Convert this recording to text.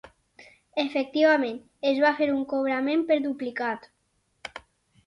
Efectivament, es va fer un cobrament per duplicat.